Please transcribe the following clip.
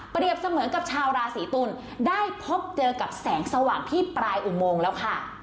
เสมือนกับชาวราศีตุลได้พบเจอกับแสงสว่างที่ปลายอุโมงแล้วค่ะ